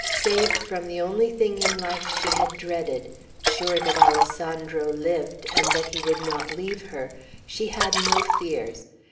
Saved from the only thing in life she had dreaded, sure that Alessandro lived, and that he would not leave her, she had no fears.